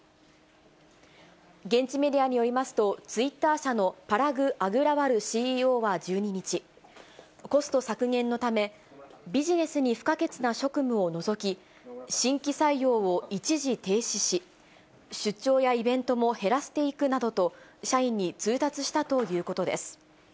現地メディアによりますと、ツイッター社のパラグ・アグラワルＣＥＯは１２日、コスト削減のため、ビジネスに不可欠な職務を除き、新規採用を一時停止し、出張やイベントも減らしていくなどと、社員に通達したということです。